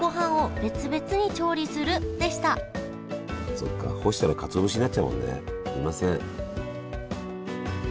そっか干したらかつお節になっちゃうもんねすいません。